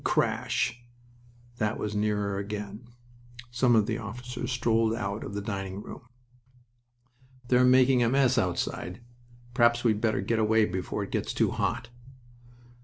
Crash!" That was nearer again. Some of the officers strolled out of the dining room. "They're making a mess outside. Perhaps we'd better get away before it gets too hot."